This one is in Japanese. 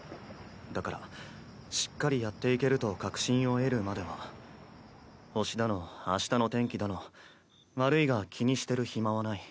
だからしっかりやっていけると確信を得るまでは星だの明日の天気だの悪いが気にしてる暇はない。